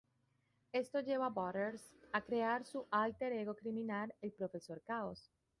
Esto lleva a Butters a crear su álter ego criminal, El Profesor Caos.